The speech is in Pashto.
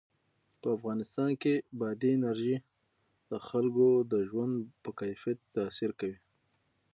په افغانستان کې بادي انرژي د خلکو د ژوند په کیفیت تاثیر کوي.